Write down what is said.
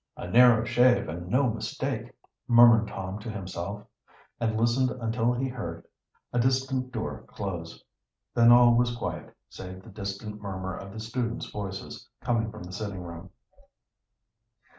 "A narrow shave, and no mistake," murmured Tom to himself, and listened until he heard a distant door close. Then all was quiet, save the distant murmur of the student's voices, coming from the sitting room.